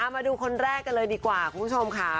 มาดูคนแรกเลยดีกว่า